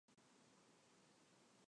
快点啊他有点恼